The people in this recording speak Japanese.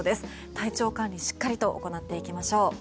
体調管理しっかりと行っていきましょう。